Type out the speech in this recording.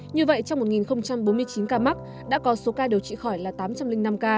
như vậy trong một bốn mươi chín ca mắc đã có số ca điều trị khỏi là tám trăm linh năm ca